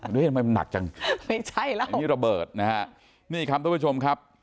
ด้วยทำไมมันหนักจังไม่ใช่แล้วอันนี้ระเบิดนะฮะนี่ครับทุกผู้ชมครับ